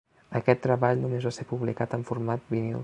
Aquest treball només va ser publicat en format vinil.